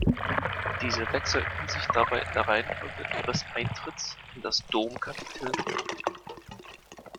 Diese wechselten sich dabei in der Reihenfolge ihres Eintritts in das Domkapitel ab.